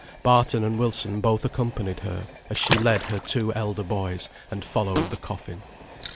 Barton and Wilson both accompanied her, as she led her two elder boys, and followed the coffin.